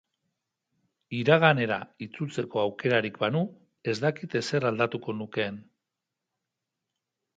Iraganera itzultzeko aukerarik banu, ez dakit ezer aldatuko nukeen.